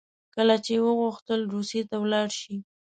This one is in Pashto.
کله چې یې وغوښتل روسیې ته ولاړ شي.